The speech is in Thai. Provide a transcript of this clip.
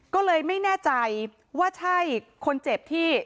ก็เลยไม่แน่ใจว่าใช่คนเจ็บที่